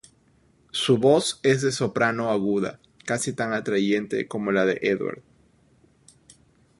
Su voz es de soprano aguda, casi tan atrayente como la de Edward.